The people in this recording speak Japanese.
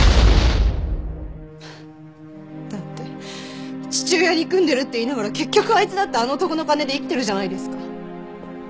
フッだって父親憎んでるって言いながら結局あいつだってあの男の金で生きてるじゃないですか。